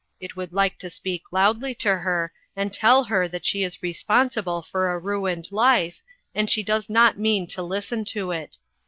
It would like to speak loudly to her, and tell her that she is responsible for a ruined life, and she does not mean to listen to it.